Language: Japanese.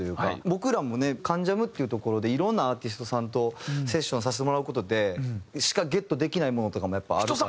僕らもね『関ジャム』っていうところでいろんなアーティストさんとセッションさせてもらう事でしかゲットできないものとかもやっぱりあるから。